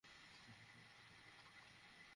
আমি টাকার ব্যবস্থা করতে পারবো।